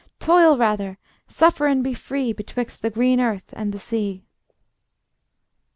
Toil rather, suffer and be free, Betwixt the green earth and the sea.